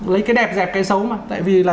lấy cái đẹp dẹp cái xấu mà tại vì là